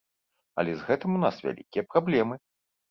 Але з гэтым у нас вялікія праблемы.